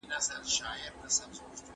سوله له جګړې ښه ده.